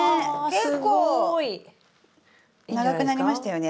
結構長くなりましたよね。